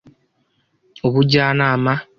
Ubujyanama